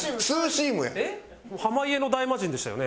ハマイエの大魔神でしたよね